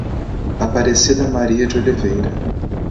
Aparecida Maria de Oliveira